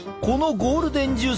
ゴールデンジュース。